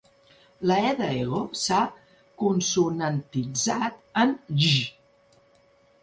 La 'e' de 'ego' s'ha consonantitzat en 'j'.